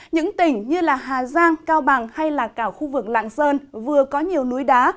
những tỉnh như hà giang cao bằng hay là cả khu vực lạng sơn vừa có nhiều núi đá